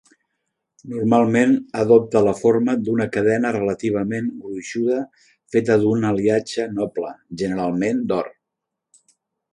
Normalment adopta la forma d’una cadena relativament gruixuda feta d’un aliatge noble, generalment d’or.